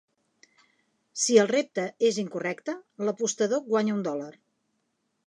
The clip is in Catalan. Si el repte és incorrecte, l'apostador guanya un dòlar.